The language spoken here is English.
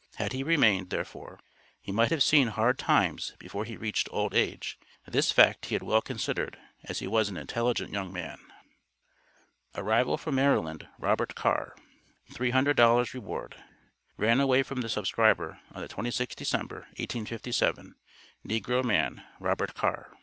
Had he remained, therefore, he might have seen hard times before he reached old age; this fact he had well considered, as he was an intelligent young man. ARRIVAL FROM MARYLAND. ROBERT CARR. $300 REWARD. Ran away from the subscriber, on the 26th December, 1857, Negro Man ROBERT CARR.